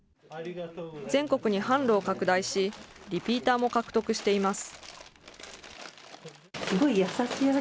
全国に販路を拡大し、リピーターも獲得しています。